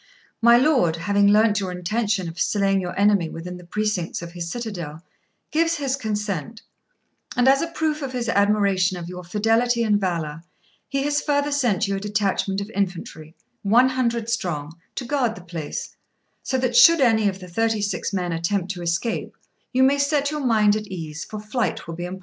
My lord, having learnt your intention of slaying your enemy within the precincts of his citadel, gives his consent; and as a proof of his admiration of your fidelity and valour, he has further sent you a detachment of infantry, one hundred strong, to guard the place; so that should any of the thirty six men attempt to escape, you may set your mind at ease, for flight will be impossible."